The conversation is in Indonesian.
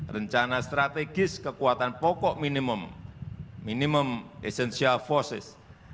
rencana strategis kekuatan pokok minimum minimum essential forces